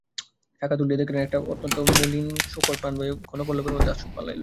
শাখা তুলিয়া দেখিলেন, একটা অত্যন্ত মলিন শূকর প্রাণভয়ে ঘন পল্লবের মধ্যে আশ্রয় লইয়াছে।